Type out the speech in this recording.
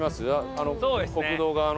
あの国道側の。